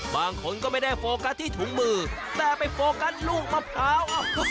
บางคนก็ไม่ได้โฟกัสที่ถุงมือแต่ไปโฟกัสลูกมะพร้าว